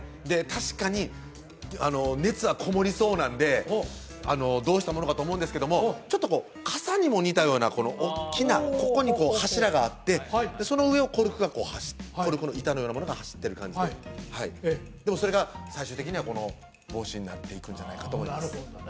確かに熱はこもりそうなんでどうしたものかと思うんですけどもちょっとこう傘にも似たようなおっきなここにこう柱があってその上をコルクがコルクの板のようなものがはしってる感じででもそれが最終的にはこの帽子になっていくんじゃないかと思います